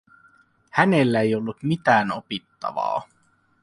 Hänellä ei ollut mitään opittavaa.